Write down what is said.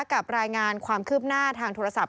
กับรายงานความคืบหน้าทางโทรศัพท์